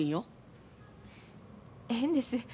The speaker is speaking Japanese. ええんです。